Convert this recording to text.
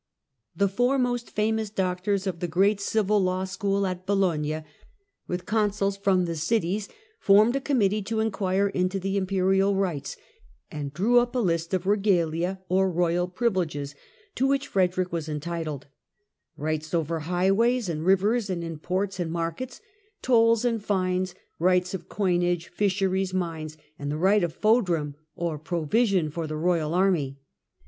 The four most famous doctors of the great Civil Law School at Bologna (see Chap. XYI.), with consuls from the cities, formed a committee to enquire into the imperial rights, and drew up a list of " regalia " or royal privileges, to which Frederick was entitled :— rights over highways and rivers and in ports and markets, tolls and fines, rights of coinage, fisheries, mines, and the right of ''fodrum " or provision for the royal army.